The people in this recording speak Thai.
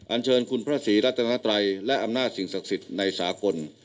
เชิญคุณพระศรีรัตนาไตรและอำนาจสิ่งศักดิ์สิทธิ์ในสากล